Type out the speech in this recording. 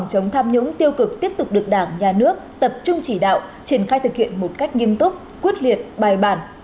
chống tham nhũng tiêu cực tiếp tục được đảng nhà nước tập trung chỉ đạo triển khai thực hiện một cách nghiêm túc quyết liệt bài bản